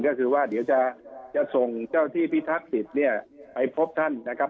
ก็คือว่าเดี๋ยวจะส่งเจ้าที่พิทักษิตเนี่ยไปพบท่านนะครับ